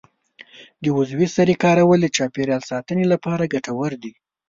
د عضوي سرې کارول د چاپیریال ساتنې لپاره ګټور دي.